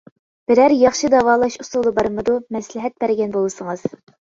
بىرەر ياخشى داۋالاش ئۇسۇلى بارمىدۇ؟ مەسلىھەت بەرگەن بولسىڭىز.